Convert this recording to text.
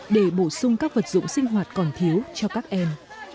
để bổ sung các vật dụng sinh hoạt còn thiếu cho các em